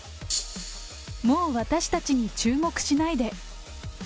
もう私たちに注目しないで。